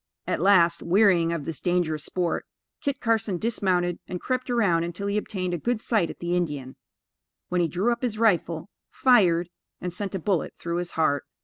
At last, wearying of this dangerous sport, Kit Carson dismounted, and crept around until he obtained a good sight at the Indian; when, he drew up his rifle, fired, and sent a bullet through his heart.